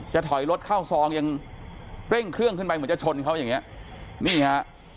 ถอยรถเข้าซองยังเร่งเครื่องขึ้นไปเหมือนจะชนเขาอย่างเงี้ยนี่ฮะ